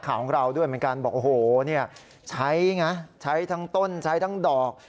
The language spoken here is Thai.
นักข่าวของเราด้วยเป็นการบอกโอ้โหใช้ไงใช้ทั้งต้นใช้ทั้งดอก